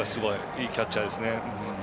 いいキャッチャーですね。